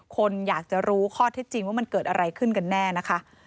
คนอยากจะรู้ข้อเท็จจริงว่ามันเกิดอะไรขึ้นกันแน่นะคะ